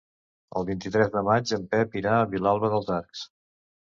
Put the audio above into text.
El vint-i-tres de maig en Pep irà a Vilalba dels Arcs.